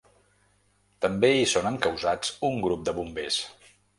També hi són encausats un grup de bombers.